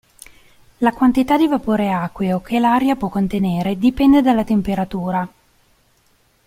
La quantità di vapore acqueo che l'aria può contenere dipende dalla temperatura.